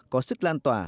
có sức lan tỏa